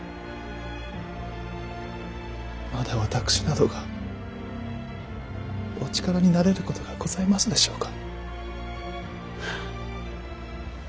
まだ私などがお力になれることがございますでしょうか。